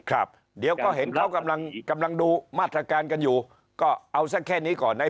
ครับเดี๋ยวก็เห็นเขากำลังกำลังดูมาตรการกันอยู่ก็เอาสักแค่นี้ก่อนนะ